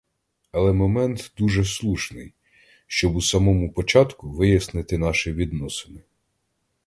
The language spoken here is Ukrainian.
Але момент дуже слушний, щоб у самому початку вияснити наші відносини.